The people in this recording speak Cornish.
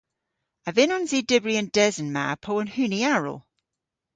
A vynnons i dybri an desen ma po an huni aral?